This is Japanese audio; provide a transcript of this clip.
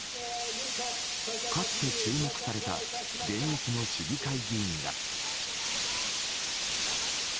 かつて、注目された現役の市議会議員が。